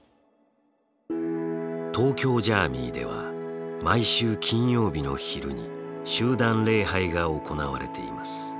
東京ジャーミイでは毎週金曜日の昼に集団礼拝が行われています。